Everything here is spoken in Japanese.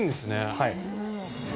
はい。